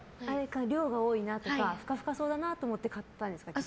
量が多いなとかふかふかそうだなと思って買ったんですか。